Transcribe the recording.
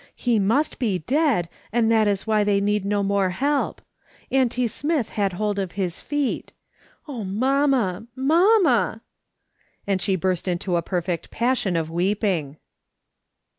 He must be dead, and that is why they need no more help. Auntie Smith had hold of his feet. Oh, mamma ! mamma !" and she burst into a perfect passion of weeping.